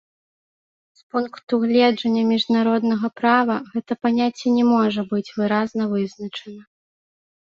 З пункту гледжання міжнароднага права, гэта паняцце не можа быць выразна вызначана.